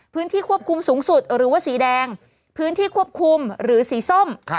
พื้นที่ควบคุมสูงสุดหรือว่าสีแดงพื้นที่ควบคุมหรือสีส้ม